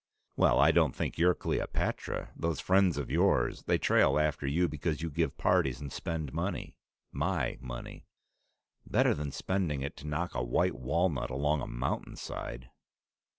"Well, I don't think you're Cleopatra! Those friends of yours they trail after you because you give parties and spend money my money." "Better than spending it to knock a white walnut along a mountainside!"